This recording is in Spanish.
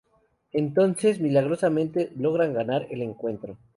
Entonces milagrosamente logran ganar el encuentro.